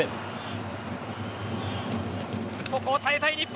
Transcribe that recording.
ここを耐えたい日本。